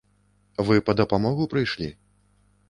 Вы па дапамогу прыйшлі?